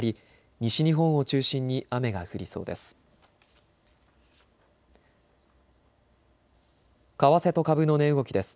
西日本を中心に雨が降りそうです。